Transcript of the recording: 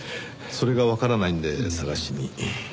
それがわからないんで探しに。